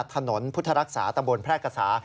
ถนนพุทธรักษาตำบลแพร่กษา